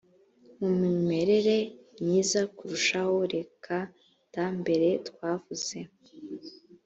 mu mimerere myiza kurushaho reka da mbere twavuze